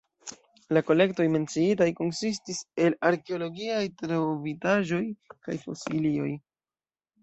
La kolektoj menciitaj konsistis el arkeologiaj trovitaĵoj kaj fosilioj.